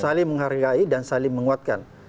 saling menghargai dan saling menguatkan